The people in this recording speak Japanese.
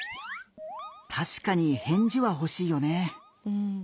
たしかに返事はほしいよね。